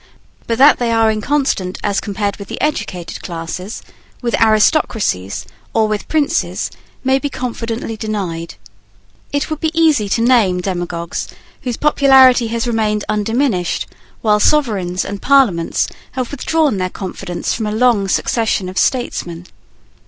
But that they are inconstant as compared with the educated classes, with aristocracies, or with princes, may be confidently denied. It would be easy to name demagogues whose popularity has remained undiminished while sovereigns and parliaments have withdrawn their confidence from a long succession of statesmen.